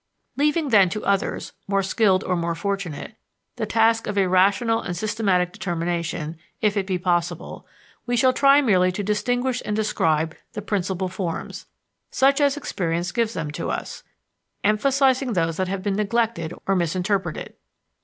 Leaving, then, to others, more skilled or more fortunate, the task of a rational and systematic determination, if it be possible, we shall try merely to distinguish and describe the principal forms, such as experience gives them to us, emphasizing those that have been neglected or misinterpreted.